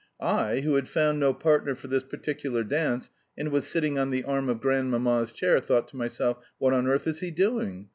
I, who had found no partner for this particular dance and was sitting on the arm of Grandmamma's chair, thought to myself: "What on earth is he doing?